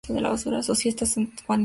Sus fiestas son San Juan y Santa Isabel.